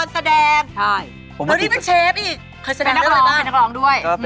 สวัสดีค่ะ